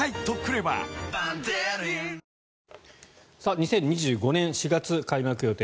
２０２５年４月開幕予定